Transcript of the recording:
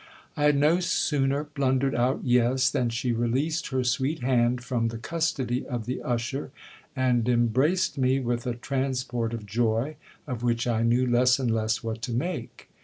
I had no sooner blundered out yes, than she released her sweet hand from the custody of the usher, and embraced me with a transport of joy, of which I knew less and less what to make.